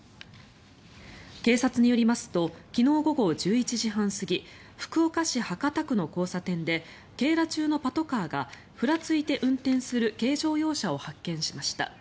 警察によりますと昨日午後１１時半過ぎ福岡市博多区の交差点で警ら中のパトカーがふらついて運転する軽乗用車を発見しました。